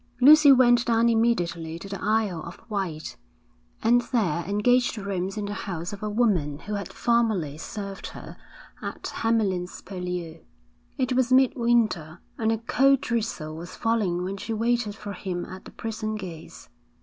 Lucy went down immediately to the Isle of Wight, and there engaged rooms in the house of a woman who had formerly served her at Hamlyn's Purlieu. It was midwinter, and a cold drizzle was falling when she waited for him at the prison gates.